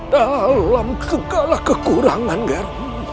dalam segala kekurangan ger